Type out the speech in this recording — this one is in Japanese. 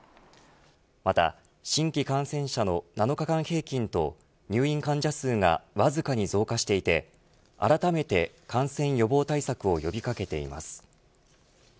また新規感染者の７日間平均と入院患者数がわずかに増加していてあらためて感染予防対策を呼び掛けています。